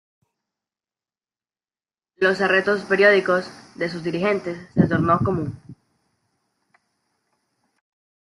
Los arrestos periódicos de sus dirigentes se tornó común.